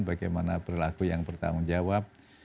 bagaimana perilaku yang bertanggung jawab